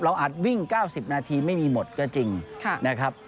อาจวิ่ง๙๐นาทีไม่มีหมดก็จริงนะครับ